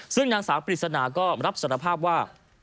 ซึ่งนางสาวปริศนาก็รับสารภาพว่า